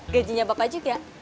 gajinya bapak juga